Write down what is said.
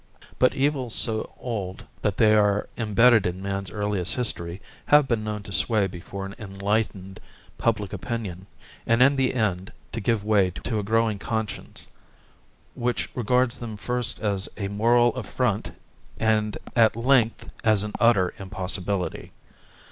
But evils so old that they are imbedded in man's earliest history have been known to sway before an enlightened public opinion and in the end to give way to a growing conscience, which regards them first as a moral affront and at length as an utter impossibility.